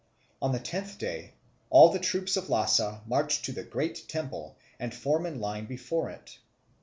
On the tenth day, all the troops in Lhasa march to the great temple and form in line before it.